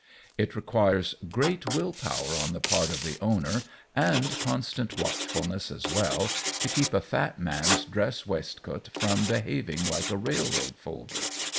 It requires great will power on the part of the owner and constant watchfulness as well to keep a fat man's dress waistcoat from behaving like a railroad folder.